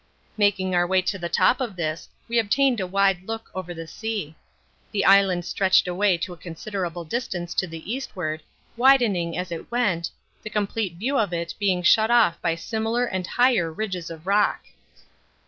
Making our way to the top of this we obtained a wide look over the sea. The island stretched away to a considerable distance to the eastward, widening as it went, the complete view of it being shut off by similar and higher ridges of rock.